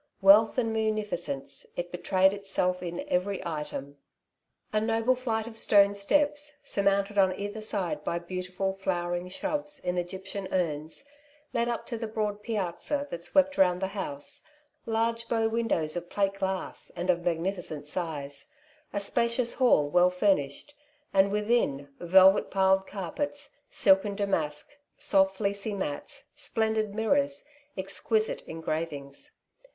Wealth and munificence — it betrayed itself in every item. A noble flight of stone steps, surmounted on either side by beautiful flowering shrubs in Egyptian nrns, led up to the broad piazza that swept round the house — ^large bow windows of plate glass, and of magnificent size; a spacious hall well furnished; and within, velvet piled carpets, silken damask, soft fleecy mats, splendid mirrors, exquisite en gravings.